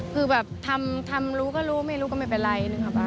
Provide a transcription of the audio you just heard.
คือแบบทำรู้ก็รู้ไม่รู้ก็ไม่เป็นไร